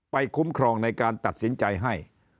คุ้มครองในการตัดสินใจให้